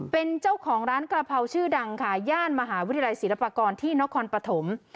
เป็นเจ้าของร้านกระเพราชื่อดังค่ะย่านมหาวิทยาลัยศิลปากรที่นครปฐม